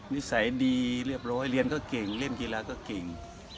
นิสัยดีเรียบร้อยเรียนก็เก่งเล่นกีฬาก็เก่ง